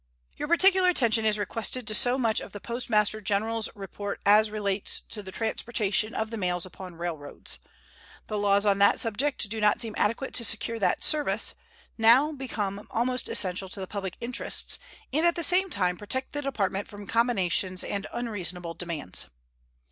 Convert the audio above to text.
Your particular attention is requested to so much of the Postmaster Generals report as relates to the transportation of the mails upon railroads. The laws on that subject do not seem adequate to secure that service, now become almost essential to the public interests, and at the same time protect the Department from combinations and unreasonable demands.